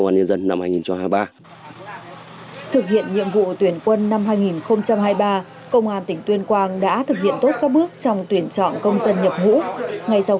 ngay sau khi tuyển quân công an tỉnh tuyên quang đã thực hiện tốt các bước trong tuyển chọn công dân nhập ngũ